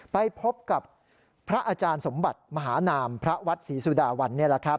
ไปพบกับพระอาจารย์สมบัติมหานามพระวัดศรีสุดาวัน